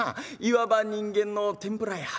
いわば人間の天ぷらや。